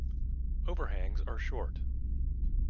Overhangs are short.